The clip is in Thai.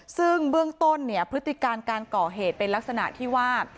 ซึ่งเบื้องต้นเนี่ยพฤติการการก่อเหตุเป็นลักษณะที่ว่า